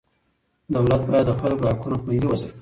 دولت باید د خلکو حقونه خوندي وساتي.